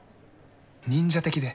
忍者的で。